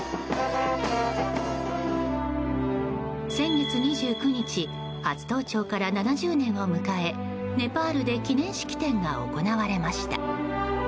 先月２９日初登頂から７０年を迎えネパールで記念式典が行われました。